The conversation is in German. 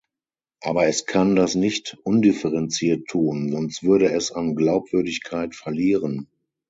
Aber es kann das nicht undifferenziert tun, sonst würde es an Glaubwürdigkeit verlieren.